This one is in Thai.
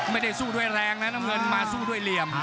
ไม่ได้สู้ด้วยแรงนะน้ำเงินมาสู้ด้วยเหลี่ยม